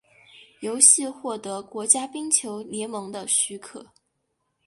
游戏获得国家冰球联盟的许可。